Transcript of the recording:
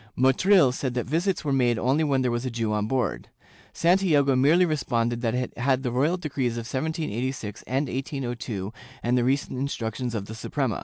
Motril said that visits were made only when there was a Jew on board. Santiago merely responded that it had the royal decrees of 1786 and 1802 and the recent instructions of the Suprema.